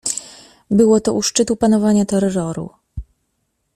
"Było to u szczytu panowania terroru."